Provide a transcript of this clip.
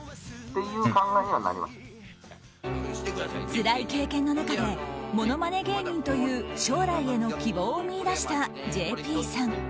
つらい経験の中でものまね芸人という将来への希望を見いだしたＪＰさん。